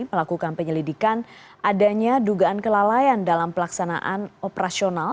melakukan penyelidikan adanya dugaan kelalaian dalam pelaksanaan operasional